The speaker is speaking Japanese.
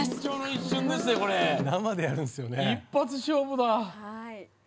一発勝負だ。